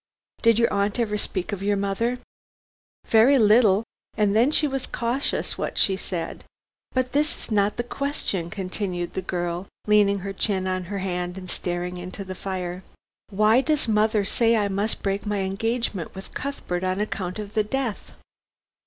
Did your aunt ever speak of your mother?" "Very little, and then she was cautious what she said. But this is not the question," continued the girl, leaning her chin on her hand and staring into the fire; "why does mother say I must break my engagement with Cuthbert on account of this death?"